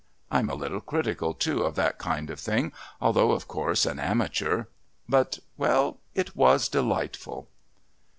I'm a little critical, too, of that kind of thing, although, of course, an amateur...but well, it was delightful."